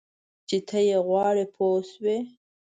چې ته یې غواړې پوه شوې!.